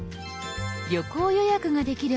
旅行予約ができる